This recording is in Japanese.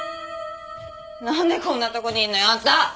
なんでこんなとこにいんのよあんた！